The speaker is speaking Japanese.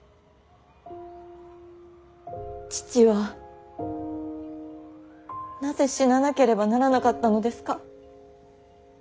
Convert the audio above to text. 父はなぜ死ななければならなかったのですか。